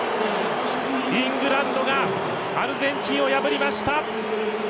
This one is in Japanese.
イングランドがアルゼンチンを破りました！